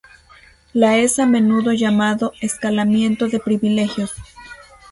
La es a menudo llamado escalamiento de privilegios.